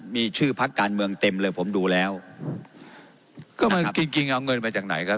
มีชื่อพักการเมืองเต็มเลยผมดูแล้วก็จริงจริงเอาเงินมาจากไหนครับ